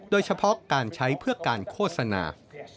โดยเฉพาะการใช้เพื่อการโฆษณา